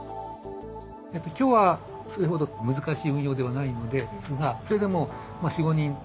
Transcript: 今日はそれほど難しい運用ではないのですがそれでも４５人で運用していて。